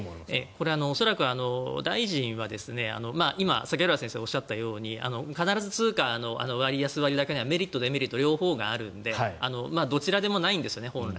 これは恐らく大臣は今榊原先生がおっしゃったように必ず通貨の割安、割高にはメリット、デメリットの両方があるので本来はどちらでもないんですよね。